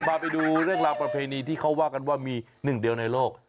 พาไปดูเรื่องราวประเพณีที่เขาว่ากันว่ามีหนึ่งเดียวในโลก